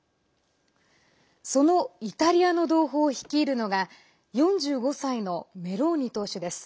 そのイタリアの同胞を率いるのが４５歳のメローニ党首です。